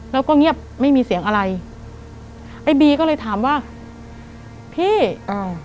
แล้วก็เงียบไม่มีเสียงอะไรไอ้บีก็เลยถามว่าพี่อ้าว